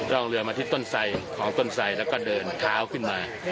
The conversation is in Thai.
ร่องเรือมาที่ต้นไสของต้นไสแล้วก็เดินเท้าขึ้นมา